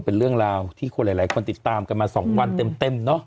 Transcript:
เป็นเรื่องราวที่คนหลายคนติดตามกันมา๒วันเต็มเนอะ